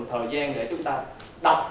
thời gian để chúng ta đọc